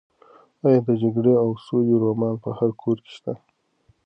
ایا د جګړې او سولې رومان په هر کور کې شته؟